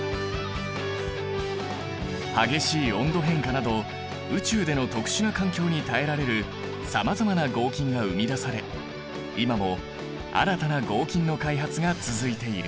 激しい温度変化など宇宙での特殊な環境に耐えられるさまざまな合金が生み出され今も新たな合金の開発が続いている。